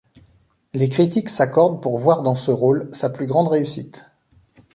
Les critiques s'accordent pour voir dans ce rôle sa plus grande réussite.